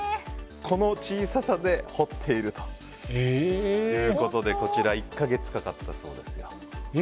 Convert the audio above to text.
この小ささで彫っているということでこちら１か月かかったそうです。